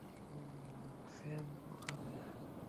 Sam, ওখানে!